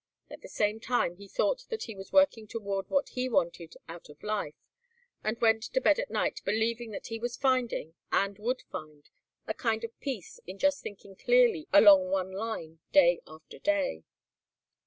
At the same time he thought that he was working toward what he wanted out of life and went to bed at night believing that he was finding, and would find, a kind of peace in just thinking clearly along one line day after day.